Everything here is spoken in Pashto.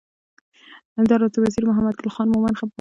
همدا راز د وزیر محمد ګل خان مومند بابا